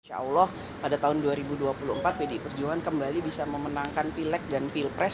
insya allah pada tahun dua ribu dua puluh empat pdi perjuangan kembali bisa memenangkan pilek dan pilpres